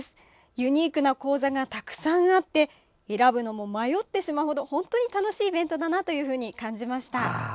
ユニークな講座がたくさんあって選ぶのも迷ってしまうほど本当に楽しいイベントだなと感じました。